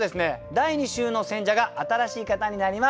第２週の選者が新しい方になります。